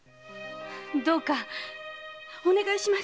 どうかお願いします。